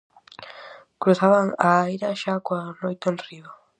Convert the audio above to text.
Cruzaban a aira xa coa noite enriba.